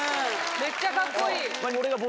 めっちゃカッコいい。